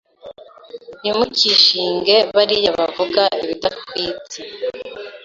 Ntimukishinge bariya bavuga ibidahwitse